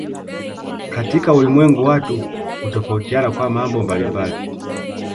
Katika ulimwengu watu hutofautiana kwa mambo mbalimbali